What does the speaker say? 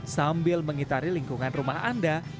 sambil mengitari lingkungan rumah anda